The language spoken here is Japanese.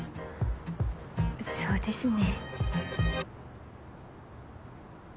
そうですね。